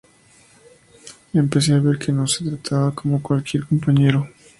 empecé a ver que no se me trataba como a cualquier compañero